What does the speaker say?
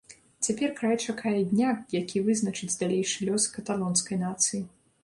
Цяпер край чакае дня, які вызначыць далейшы лёс каталонскай нацыі.